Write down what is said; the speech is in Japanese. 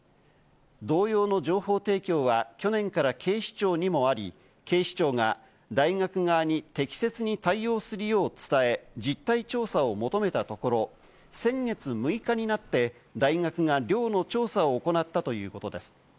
同様の情報提供は去年から警視庁にもあり、警視庁が大学側に適切に対応するよう伝え、実態調査を求めたところ、先月６日になって、大学が寮の調査を行ったということです。